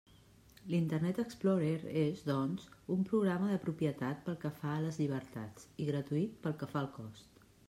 L'Internet Explorer és, doncs, un programa de propietat pel que fa a les llibertats, i gratuït pel que fa al cost.